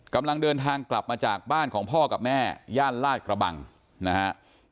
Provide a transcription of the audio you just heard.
กำลังเดินทางกลับมาจากบ้านของพ่อกับแม่ย่านลาดกระบังนะฮะ